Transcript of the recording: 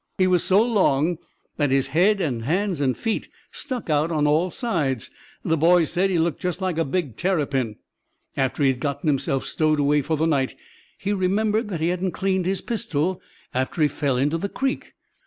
He was so long that his head and hands and feet stuck out on all sides. The boys said he looked just like a big terrapin. After he had got himself stowed away for the night, he remembered that he hadn't cleaned his pistol, after he fell into the creek.